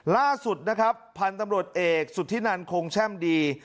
ล่าสุดนะครับพันธุ์ตำรวจเอกสุธินันคงแช่มดี